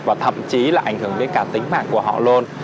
và thậm chí là ảnh hưởng đến cả tính mạng của họ luôn